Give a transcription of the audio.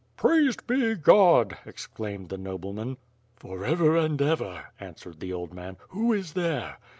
"Praised be (lod," exclaimed the nobleman. "For ever and ever," answered the old man. "Who is there?"